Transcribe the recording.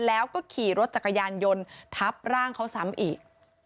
แล้วก็ขี่รถจักรยานยนต์ทับร่างเขาซ้ำอีก